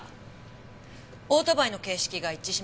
オートバイの形式が一致しました。